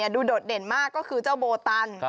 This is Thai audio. โดดเด่นมากก็คือเจ้าโบตัน